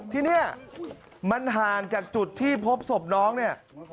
ที่นี่มันห่างจากจุดที่พบศพน้องเนี่ย